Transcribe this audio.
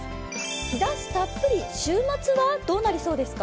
日差したっぷり週末はどうなりそうですか？